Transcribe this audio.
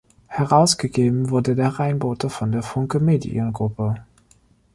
Herausgegeben wurde der Rhein-Bote von der Funke-Mediengruppe.